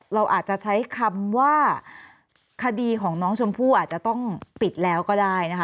เราอาจจะใช้คำว่าคดีของน้องชมพู่อาจจะต้องปิดแล้วก็ได้นะคะ